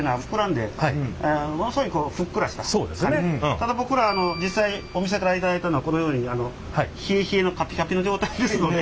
ただ僕ら実際お店から頂いたのはこのように冷え冷えのカピカピの状態ですので。